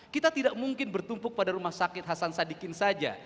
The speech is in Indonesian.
kita tidak mungkin bertumpuk pada rumah sakit hasan sadikin saja